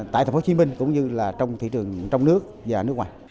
tại tp hcm cũng như là trong thị trường trong nước và nước ngoài